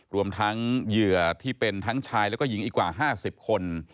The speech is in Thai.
รวมทั้งเหยื่อที่เป็นทั้งชายแล้วก็หญิงอีกกว่า๕๐คน